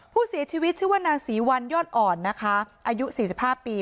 ผู้เสียชีวิตชื่อว่านางศรีวัลยอดอ่อนนะคะอายุ๔๕ปี